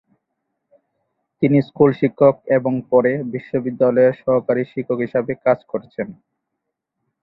তিনি স্কুল শিক্ষক এবং পরে বিশ্ববিদ্যালয়ের সহকারী শিক্ষক হিসাবে কাজ করেছেন।